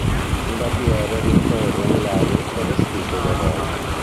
Un barbiere rincorre un ladro travestito da donna.